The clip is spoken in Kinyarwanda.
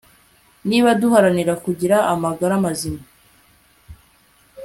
Niba duharanira kugira amagara mazima